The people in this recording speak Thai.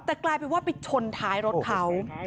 แต่กลายเป็นว่าไปชนท้ายรถเขา